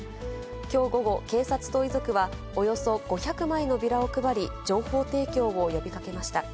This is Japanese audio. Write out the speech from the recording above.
きょう午後、警察と遺族はおよそ５００枚のビラを配り、情報提供を呼びかけました。